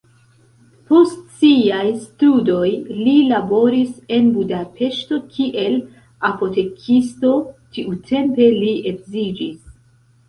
Post siaj studoj li laboris en Budapeŝto kiel apotekisto, tiutempe li edziĝis.